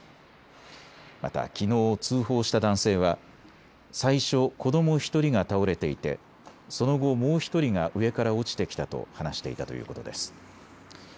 また、きのう通報した男性は最初、子ども１人が倒れていてその後、もう１人が上から落ちてきたと話していたということです。